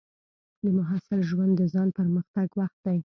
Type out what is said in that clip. د محصل ژوند د ځان پرمختګ وخت دی.